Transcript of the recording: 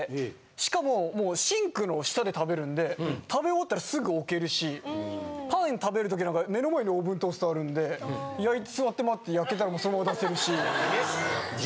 しかもシンクの下で食べるんで食べ終わったらすぐ置けるしパン食べる時なんか目の前にオーブントースターあるんで焼いて座って待って焼けたらそのまま出せるし。